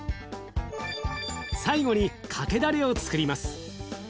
最後にかけだれをつくります。